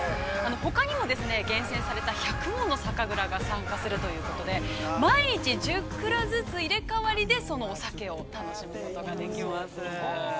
ほかにも厳選された１００もの酒蔵が参加するということで毎日１０蔵ずつ入れ替わりでそのお酒を楽しむことができます。